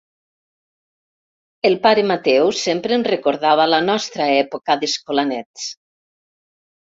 El pare Mateu sempre ens recordava la nostra època d'escolanets.